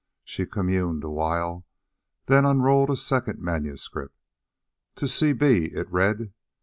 She communed a while, then unrolled a second manuscript. "To C. B.," it read.